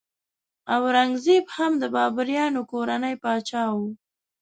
اورنګ زیب هم د بابریانو کورنۍ پاچا شو.